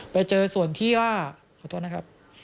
ไปเจอส่วนที่ว่าขอโทษนะครับ